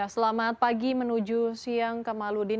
selamat pagi menuju siang kamaludin